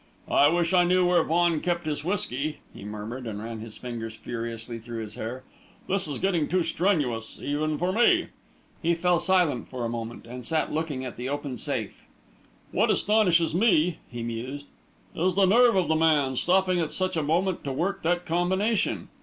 "I wish I knew where Vaughan kept his whiskey!" he murmured, and ran his fingers furiously through his hair. "This is getting too strenuous, even for me!" He fell silent for a moment, and sat looking at the open safe. "What astonishes me," he mused, "is the nerve of the man, stopping at such a moment to work that combination.